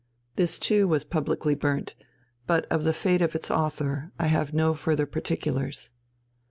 This too was publicly burnt, but of the fate of its author I have no further particulars.